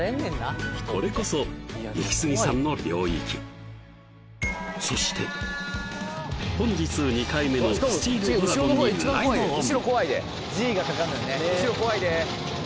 これこそイキスギさんの領域そして本日２回目のスチールドラゴンにライドオン！